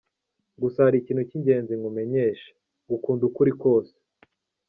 Gusa hari ikintu cy’ingenzi nkumenyesha; ngukunda uko uri kose.